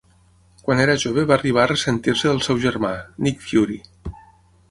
Quan era jove va arribar a ressentir-se del seu germà, Nick Fury.